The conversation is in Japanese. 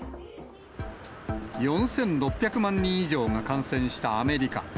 ４６００万人以上が感染したアメリカ。